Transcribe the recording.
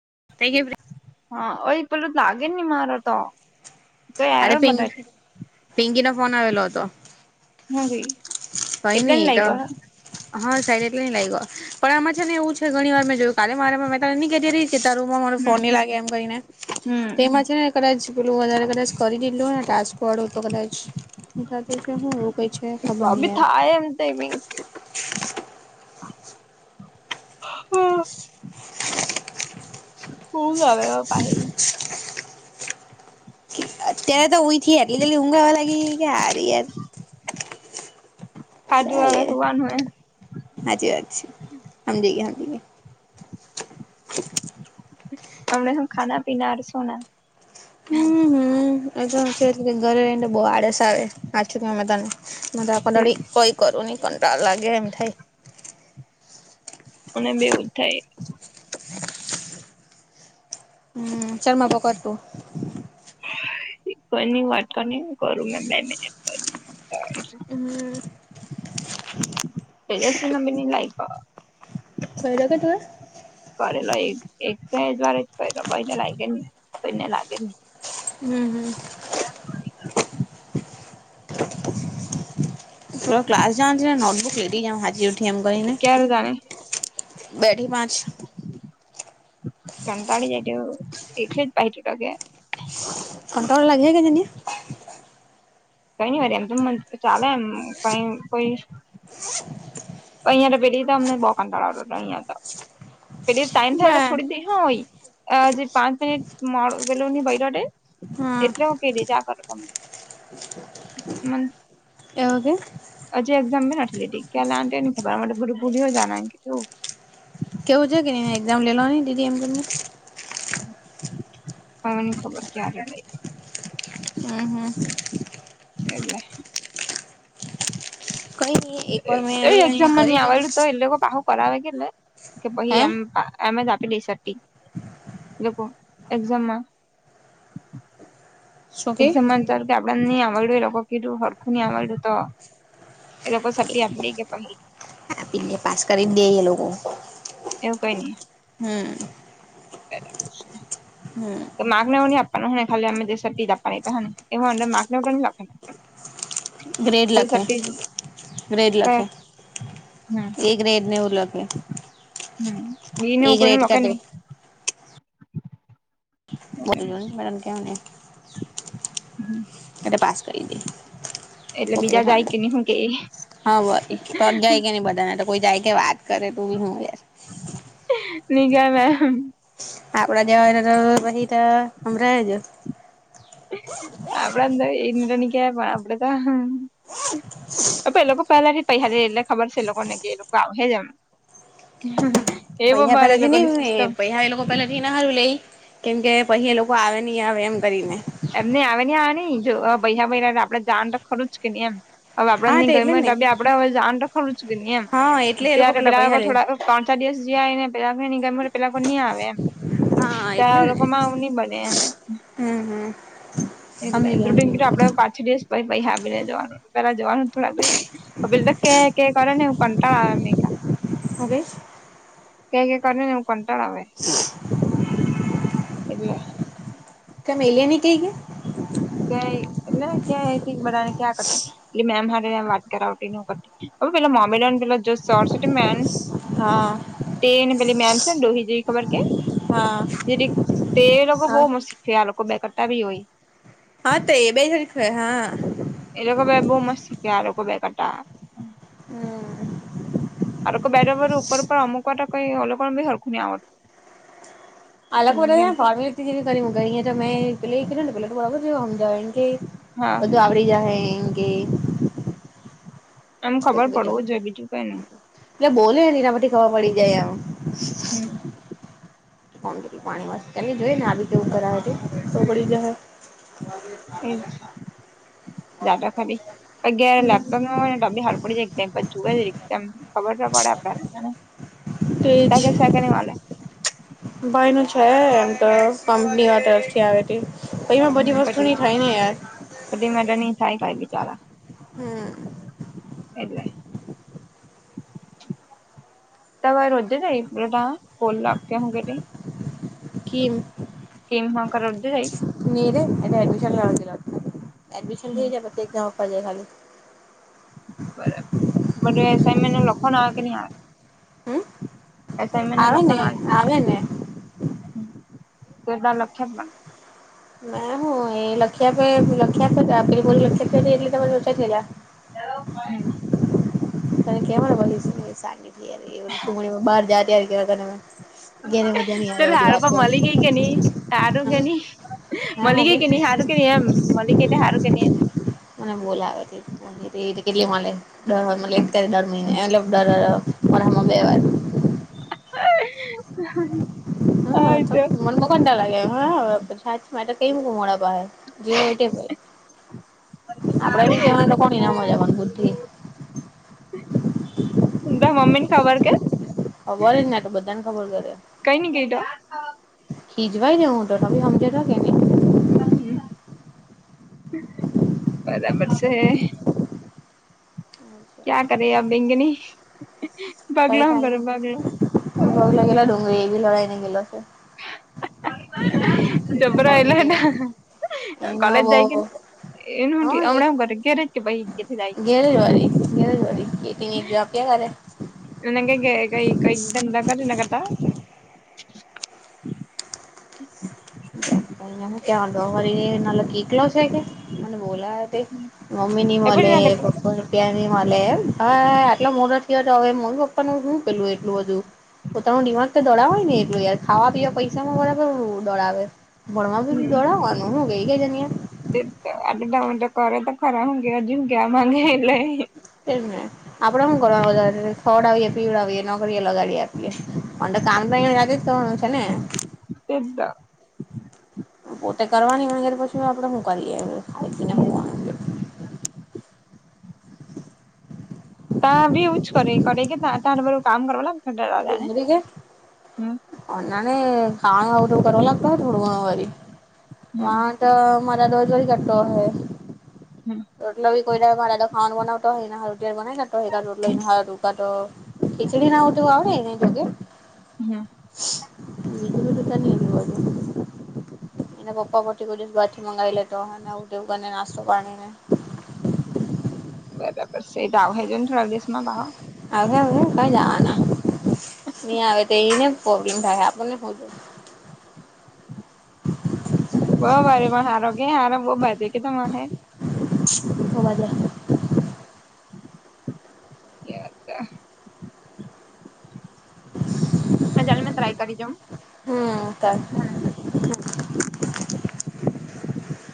[unintelligible] હા ઓય પેલું લાગે નહી મારો તો. કઈ એરર અરે પિં બતાવે પિંકી નો ફોન આવેલો હતો હું ગઈ હોઈન એટલે એ ની તો લાયગો હે હા સાઈડ એટલે લાગ્યો. પણ આમાં છે ને એવું છે ઘણી વાર મેં જોયું કાલે મારે મે તેને ની કેતી તી. કે તારૂમાં મારો હમ ફોન નહી લાગે એમ કરીને હમ તેમાં છે ને કદાચ પેલું વધારે કદાચ. કરી ને દીધલું ટાસ્કોવાડુ તો કદાચ. સાથે હું રોક છે તો ખબર ન બી આવે. થાય એમ તે બી હમમ. ઉધં આવે પા હી. ત્યારે તો ઉઠીઈ હથી આટલી કેટલી ઊંઘાઆવા લાગી કે યાર. ખાધું ક્યાં હવે યાર હુવાનું હે હાચી વાત છે સમજી ગયા સમજી ગ. અમણા હુ ખા પીના સોના. હમ હમ એ કે ઘરે રહીને બહુ આડસ આવે આચું કેમે તને તો આખો ફિર ડાળ કોઈ કરું નહી. કંટાળો આવે એમ થાય અને બેવું જ થાય. હમ. [unintelligible] કોઈની વાત કર ન કરું મે બે મિનટ. હમ તેજસ્વી ન બી લાઈક. [unintelligible] અરે નહીં એક ક દ વારે જ [unintelligible] કરેલો ભાઈને લાગે ભઈને લાગે ને. હમ્મ હમ્મ. થોડ ક્લાસ જવા જ ને નોટબુક લેધી જમ હાજી ઉઠી એમ કરીને. ક્યારે જાણે બેઢી પાંચ. કંટાળી જાય તે એટલી જ ભાઈ તૂટકે [unintelligible] કંટાળો લાગે કે તને કઈ ની વાર એમ તો ચાલે એમ કઈ કોઈ અહિયાં તો પેલી તો અમને બો કામ કડાવડ હતો અહિયાં તો. પેલી ટાઈમ થાયલા બા છોડી દઈ હા હોઈ. જે પાંચ મિનિટ મોડ વેલો ની ભય રડે હા એટલે હું કે દેજ આ કર તમે. મન એવું કે. હજી એક્ઝામ ભ નથી લીધ, ક્યા આંટી ને ખબર બ ભૂલી હો જનઆં તું. કેવું જ કે નહીને એક્ઝામ લે લો ને દીદી એમ ગરને. હમ ની ખબર ક્યાદ લહી. હમ્મ. એટલે. કઈ નઈ એક વાર મેં એ આવી કરીને એક્ઝામ માં કરી ની જોઉં આવેલું તો એ લોકો બાહુ કરાવે કેને કે ભાઈ હે એમ. એમ એ આપી દઈ [unintelligible] એક્ઝામમાં. શું કે એક્ઝામ માં ધારો કે આપડે નહી આવડ્યું એ લોકો કીધું હરખું હીં આવડું તો. એ લોકો પર શબી આપીને કે પહી. એ પાસ કરી દે એ લોકો. એવું કઈ નહીં. હમ હમ [inaudible] માક ના એવું ની આપપના હોને ખાલી આમ દ સર્ટી જ આપા એટને એ અંદર માક નાને એવ ન લખ. ગ્રેડ લખે ગ્રેડ લખે. કયા. હમ એક રેડ ને ઉલગ. હમ એ નવું કો લોકોક નહી. બજ જો કે. અને પાસ કરી દે થ. એટલે બીજા જાય કે નહી હું કે હા ભાઈ તો જ જાય કે નહી બધાને તો કોઈ જાય કે વાત કરે તોું બી શું યાર. [unintelligible] હ આપડા જવા વહીમરાજ. આપડ તોર ઇન્દ્રની કે પણ આપડે તો. એ લોકો પેલાથી પૈ હ એટલે ખબર છે એ લોકોને કે એ લોકો આવ જ એમ. હમ્મ. પૈ પેલા થી નઈ પૈ એ લોકો પેલા થી ના હારું લે. કેમકે પછી એ લોકો આવે નહીં આવે એમ કરીને. એમને આવે ને આ ન જો ભૈ ભ આપડે જાન તો ખરું જ કે નહી એમ. હવે આપડ હા ની તે એટલે ગમે ને આપડે હવે જાણ તો ખરું કે નહી એમ. હા એટલે એ લોકો ત્યારે પૈસા પેલા લે થોડા પાંચ ચાર દિવસ જયા એને. પેલા ન ગ પેલા કો નહી આવે એમ હા એટલે ત્યાં લોકો ને આવું નહ બને એમ હમ હમ સમજી ગયા સમજી એટલે્રકીી આપડે ગયા પાછી દશ પ હાી લે જવાનું પેલા જવાનું થોડાક. બીલ તો કે કે કર ને કટાળ આવેમી. ઓકેેશ. કઈ નઈ કર ને એવું કંટાળ આવે એટલે. કેમે એલિયા ની કઈ કે. [unintelligible] એટલે ક્યાં એક એક બધાને ક્યાં કરટી એટલે મેમ હોય. વાત કરાવતી એવું કરતી અપે પેલા [unintelligible] મેન. હા તેને પેલી મેમ છે ને લોોહી જોવી ખબર કે. હા જેથી તે લોકો બહ મસ્ શીખે આ લોકો બેકતા ભી હોય. હા તો એ બે હા. મામાં શીખે આ ક બેટ. હમ્મ. આ કો બે બ ઉપર ઉપર અમુક ક એ લોકો બ ઘર ખુ આવત. અલગ બ ફોર્મેલટી જેવી કરી ગઈ. ત પેલા કે ના પેલા તો બરાબર જો હમ જાાવ એ કે હા બધું આવડી જાય. એંગે. એમ ખબર પડવું જોઈ બીજું કઈ ન. એટલે બોલે ને એના પથી ખબવા પડી જાય એમ. હમ્મ. કોણ કરી પાણી વા એને જોઈ ને આવી જેવું કરાવ તોકળ જવા. [unintelligible] જાતા ખાલી લેપટોપ હાર પડી જાય જોુ. ખબર ના પડે તે આપડને સા કેની વા. ભાઈ ન છે એમ તો કંપની વા તરફથી આવે ત. હમ મેડની થહી ખાઈ બચારા. હમ્મ. એલે. તવા રોધે જ બટા કોલ લ ક હું કેેટ. કમ કર રોજે જાય મેરે એડી. એડમિશન થઈ જામાય ખાલી. બરાબર બધું એસાનમેન્ટને લખવાને આવે કે નહી આવે. હમ પસ એમેને આવે ને લખણ આવે ને કેદ લક્ષત મ ના હું એ લખ્યા પે લખ્યા પે ત પે પરી લખ્યા પે તમને લચા થલા. હલો. ત કે ભશ સા સુણીમાં બાર જ ત્યારે કેવા. ઘેરે મજા નહી આવે તો એધી વાત હારું પણ મળી ગઈ નહી હારું કે હ. કે નહી હા મળી હગ. ગઈ કે નહી હારું કે નહી એમ મળી ગઈ એટલે હારું કે નહી એમ બ કેટલી મળર દર મહિનેર ધવાર. હ હા તો મન મ કંતા લાગે હા. હચ મા કઈક મોડા બાર જે હોય ભાઈ. આપડે બી કેવા લોકો કોની ના મજાવાનપુરથી. તડા મમ્મન ખાવાર કે. ખબર જને તો બધાને ખબર કરે. કઈ ની કઈ તો હિજવાાઈ દઉું તો તમેી જટ કેને. હમ્મ. બરાબર છે. ક્યા કરે આ બેંગની. ક પગલા હું કરે થને પગલા ભગ લ ગેલા ડુંગરીી એ બી લડાઈને ગેલો છે. [inaudible] જબર ખબર એલા એ કે ના એને કલેજ જાયકી. બહ એનું હા એક હમણાં હ ઘરે ઘરે જ કે ભાઈ કે જાય. દિનીક જવાકે ગાલે. એ ક ગ કઈ કઈ કર ના કરતા. અ હું કેવા દો વરી નાલો કેલો છે કે. મ બોલા તે મમ્મી એ પણ નિમલે એના કરતા પપ્પુ પિયા નિમલે ભ. એટલા મોડ થયો તો હવે મરી પપ્પાનું શું પેલું એટું બધું પોતાનું દિમાગ તો દડા હોય ને. જો યાર ખાવા પીવા પૈસામાં બરાબર દડાવે ભણવા બી દડાવવાનું હું ગઈ ગઈ છેહં. આડડાટ કરે તો ખરા હો ગ્યા હજુ કયા માગે એ લ. એમને આપડે કરવા વધડે પીળ નોકરીએ. ગાડી આપીએ પણ કામ જ તો છે ને. જ તો પોતે કરવાની હો પછી આપડે મુકા ખને હમ મકવાનું. ત્યા બી એુંજ કરે કરે કે ત બ કામ કરવા લાગ. દાદા ને ડુંગરી ગ હમ અ ના. અને ખાણ આવું તો કરવા લાગતો હોય થોડું ઘણું વા. હમ વાટ મરા રોજ વરી કટતોો હોય. હમ રોટલોવી કોઈ લ મા દાદો ખાવનુંને બનાવ તો હો ના હ. બનાાય ના તોકાો લ દકા તો ખિચ દ ના. એ હમ એના પપ્પાપથી કોઈ દિવસ બાઠ મંગાવી લ. વું દેવું અને નાસ્તો પાણીને. બ એટાવ હજ થો દશમાં બાહો. આ જાના. નહી આવે તો એને પ્રોબ્લીન થાય આપણનેધું. બહ વારીમાં સારો કે હાર બહ બાજુ કે તમા હ. હોવા જ. એ હતા. હ ચાલે મે ટ્રાય કરી દ. હમ.